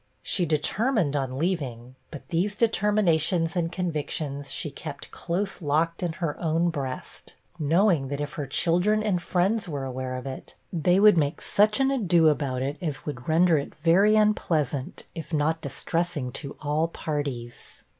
She determined on leaving; but these determinations and convictions she kept close locked in her own breast, knowing that if her children and friends were aware of it, they would make such an ado about it as would render it very unpleasant, if not distressing to all parties.